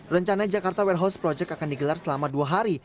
rencana jakarta warehouse project akan digelar selama dua hari